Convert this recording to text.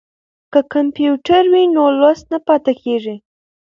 که کمپیوټر وي نو لوست نه پاتې کیږي.